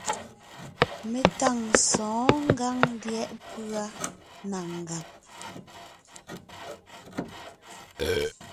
Mé tâŋ sɔ̌ɔn ngǎŋ lyɛ̌ʼ pʉ́a na ngàb;